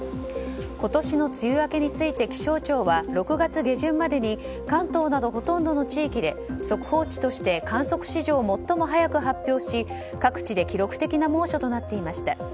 今年の梅雨明けについて気象庁は６月下旬までに関東などほとんどの地域で速報値として観測史上最も早く発表し、各地で記録的な猛暑となっていました。